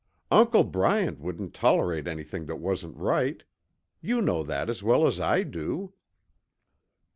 "Uncle Bryant wouldn't tolerate anything that wasn't right. You know that as well as I do."